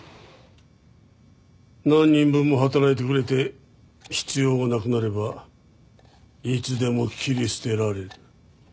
何人分も働いてくれて必要がなくなればいつでも切り捨てられる。